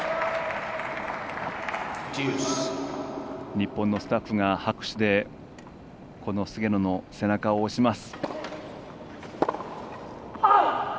日本のスタッフが拍手で菅野の背中を押します。